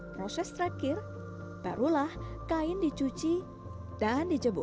proses terakhir barulah kain dicuci dan dijebuk